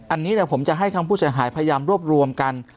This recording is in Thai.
อันนี้ผมจะให้ทางผู้เสียหายพยายามรวบรวมกัน